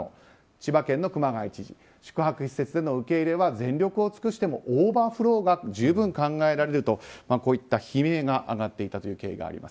千葉県の熊谷知事宿泊施設での受け入れは全力を尽くしてもオーバーフローが十分考えられるとこういった悲鳴が上がっていたという経緯があります。